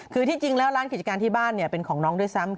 คือที่จริงแล้วร้านกิจการที่บ้านเป็นของน้องด้วยซ้ำ